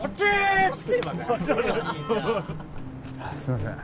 すいません。